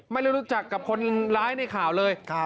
ไม่ได้รู้จักกับคนร้ายในข่าวเลย